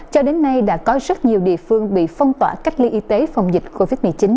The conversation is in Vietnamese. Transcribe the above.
cho đến nay đã có rất nhiều địa phương bị phong tỏa cách ly y tế phòng dịch covid một mươi chín